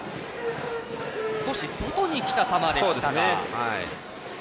少し外にきた球でした。